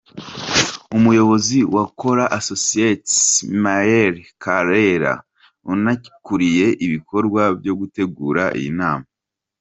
Umuyobozi wa "Kora Associates", Mireille Karera, unakuriye ibikorwa byo gutegura iyi nama.